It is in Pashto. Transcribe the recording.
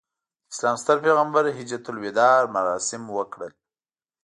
د اسلام ستر پیغمبر حجته الوداع مراسم وکړل.